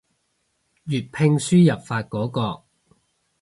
粵拼輸入法嗰個